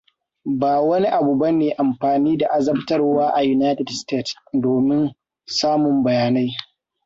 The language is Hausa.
Ba wani abu bane amfani da azabtarwa a United Stated domin samun bayanai.